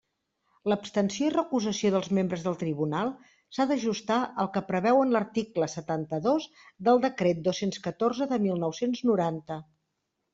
L'abstenció i recusació dels membres del Tribunal s'ha d'ajustar al que preveuen l'article setanta-dos del Decret dos-cents catorze de mil nou-cents noranta.